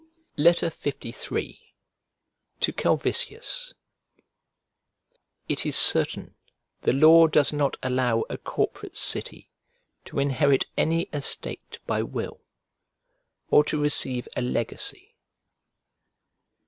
LIII To CALVISIUS IT is certain the law does not allow a corporate city to inherit any estate by will, or to receive a legacy.